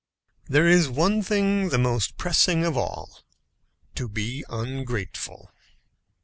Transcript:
There is one thing the most pressing of all: to be ungrateful.